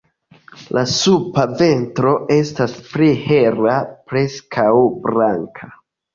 La suba ventro estas pli hela, preskaŭ blanka.